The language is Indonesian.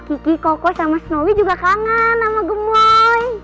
kiki koko sama snowy juga kangen sama gemoy